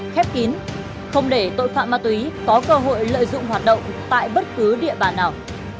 khép kín không để tội phạm ma túy có cơ hội lợi dụng hoạt động tại bất cứ địa bàn nào